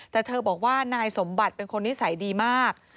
แต่เธอบอกว่านายสมบัติเป็นคนนิสัยดีมาก